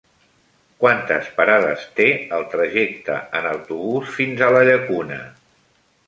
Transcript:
Quantes parades té el trajecte en autobús fins a la Llacuna?